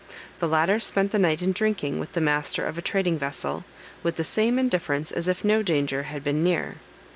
The latter spent the night in drinking with the master of a trading vessel, with the same indifference as if no danger had been near.